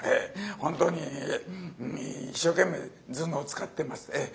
本当に一生懸命頭脳使ってます。